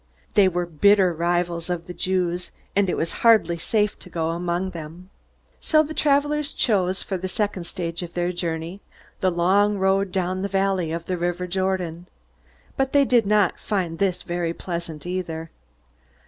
They were bitter rivals of the Jews, and it was hardly safe to go among them. So the travelers chose, for the second stage of their journey, the long road down the valley of the river Jordan. But they did not find this very pleasant, either.